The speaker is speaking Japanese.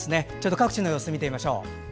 各地の様子、見てみましょう。